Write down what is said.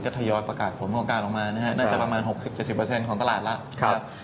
ก็ทยอยประกาศผลประกอบการออกมาได้ประมาณ๖๐๗๐ของตลาดแล้ว